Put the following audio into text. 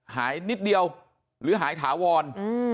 หายนิดเดียวหรือหายถาวร